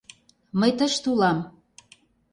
Мый тыште улам!